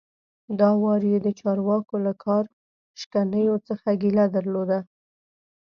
دا وار یې د چارواکو له کار شکنیو څخه ګیله درلوده.